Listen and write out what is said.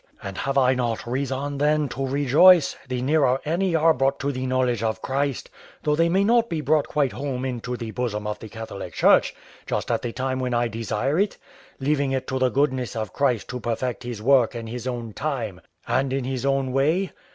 And have I not reason, then, to rejoice, the nearer any are brought to the knowledge of Christ, though they may not be brought quite home into the bosom of the Catholic Church just at the time when I desire it, leaving it to the goodness of Christ to perfect His work in His own time, and in his own way?